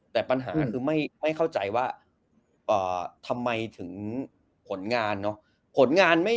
แต่ปัญหาคือไม่เข้าใจว่าทำไมถึงผลงานเนอะ